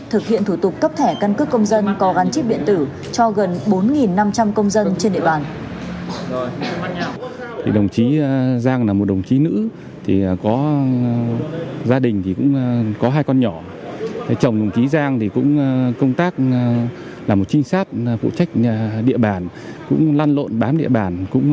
thực hiện thủ tục cấp thẻ căn cứ công dân có gắn chip điện tử cho gần bốn năm trăm linh công dân trên địa bàn